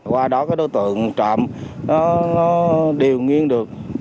qua đó các đối tượng trộm nó đều nghiêng được